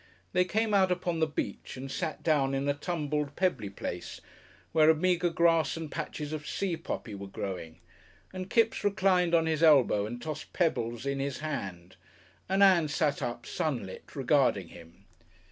They came out upon the beach and sat down in a tumbled, pebbly place, where a meagre grass and patches of sea poppy were growing, and Kipps reclined on his elbow and tossed pebbles in his hand, and Ann sat up, sunlit, regarding him.